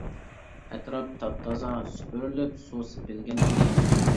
ئەتراپ تاپتازا سۈپۈرۈلۈپ، سۇ سېپىلگەن ئىدى.